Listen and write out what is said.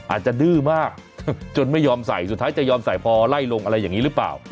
ดื้อมากจนไม่ยอมใส่สุดท้ายจะยอมใส่พอไล่ลงอะไรอย่างนี้หรือเปล่า